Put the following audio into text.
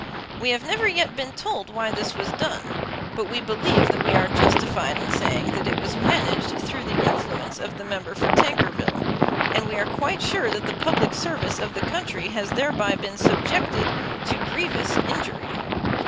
We have never yet been told why this was done; but we believe that we are justified in saying that it was managed through the influence of the member for Tankerville; and we are quite sure that the public service of the country has thereby been subjected to grievous injury.